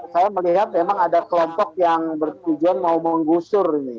saya melihat memang ada kelompok yang bertujuan mau menggusur ini